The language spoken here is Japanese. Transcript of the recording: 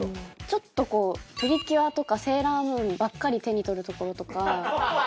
ちょっとこう『プリキュア』とか『セーラームーン』ばっかり手に取るところとか。